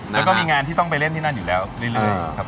แล้วก็มีงานที่ต้องไปเล่นที่นั่นอยู่แล้วเรื่อยครับ